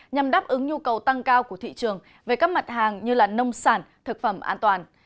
nhằm đáp ứng nhu cầu tăng cao của thị trường về các mặt hàng như nông sản thực phẩm an toàn